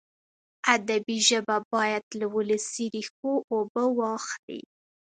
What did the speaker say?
ادبي ژبه باید له ولسي ریښو اوبه واخلي.